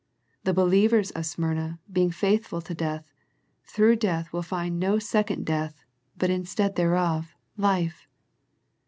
The believers of Smyrna being faithful to death, through death will find no second death, but instead thereof life.